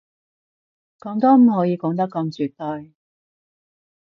噉都唔可以講得咁絕對